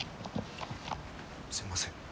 すみません。